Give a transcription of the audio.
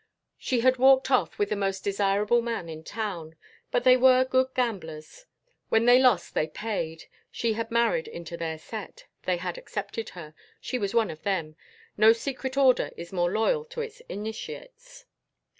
She had "walked off" with the most desirable man in town, but they were good gamblers. When they lost they paid. She had married into "their set." They had accepted her. She was one of them. No secret order is more loyal to its initiates.